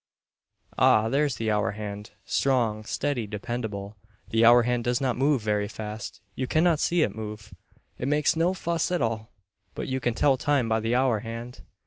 Ah, here's the hour hand. Strong, steady, dependable. The hour hand does not move very fast, you cannot see it move. It makes no fuss at all, but you can tell time by the hour hand.